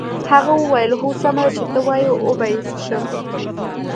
هغه وویل هو سمه ده چې ته وایې وبه یې څښم.